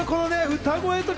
歌声とか。